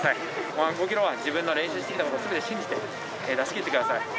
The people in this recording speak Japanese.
後半５キロは自分の練習してきたことをすべて信じて、出しきってください。